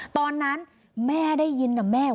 ตอนนั้นแม่ได้ยินนะแม่